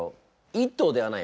１頭ではない。